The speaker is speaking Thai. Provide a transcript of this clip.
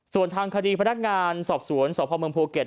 ส่วนทางคดีพนักงานสอบสวนสพเมืองภูเก็ต